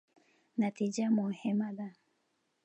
نتیجه مهمه ده